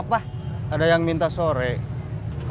tidak ada yang bisa dibawa ke sana